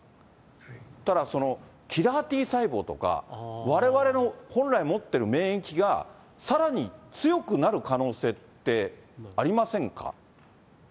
そしたら、キラーＴ細胞とか、われわれの本来持ってる免疫が、さらに強くなる可能性ってありませんか。